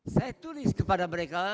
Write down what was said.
saya tulis kepada mereka